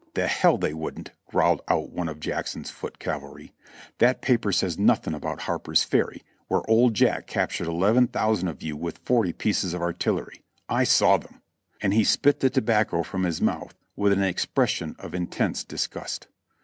"The hell they wouldn't !" growled out one of Jackson's foot cavalry. "That paper says nothing about Harper's Ferry, where Old Jack captured eleven thousand of you with forty pieces of artillery. I saw^ them." And he spit the tobacco from his mouth with an expression of intense disgust.